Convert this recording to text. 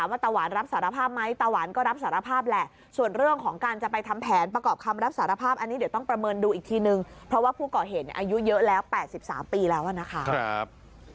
ตาหวานรับสารภาพไหมตาหวานก็รับสารภาพแหละส่วนเรื่องของการจะไปทำแผนประกอบคำรับสารภาพอันนี้เดี๋ยวต้องประเมินดูอีกทีนึงเพราะว่าผู้ก่อเหตุอายุเยอะแล้ว๘๓ปีแล้วนะคะ